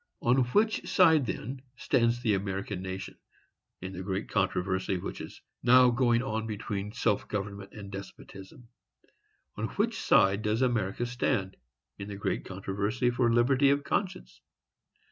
On which side, then, stands the American nation, in the great controversy which is now going on between self government and despotism? On which side does America stand, in the great controversy for liberty of conscience?